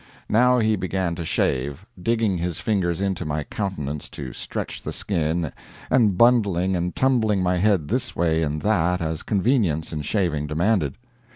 Now he began to shave, digging his fingers into my countenance to stretch the skin and bundling and tumbling my head this way and that as convenience in shaving demanded.